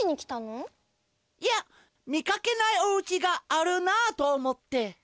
いや見かけないおうちがあるなあとおもって。